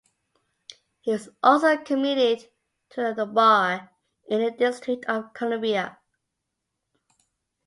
He was also admitted to the bar in the District of Columbia.